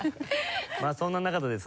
まあそんな中でですね